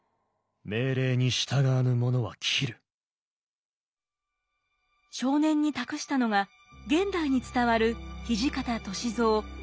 少年に託したのが現代に伝わる土方歳三唯一の写真です。